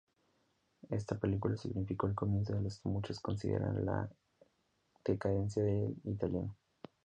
Esta película significó el comienzo de lo que muchos consideran la decadencia del italiano.